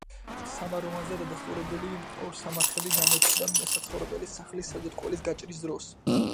სამაროვანზე დადასტურებული ორმოსამარხები გამოჩნდა საცხოვრებელი სახლის საძირკველის გაჭრის დროს.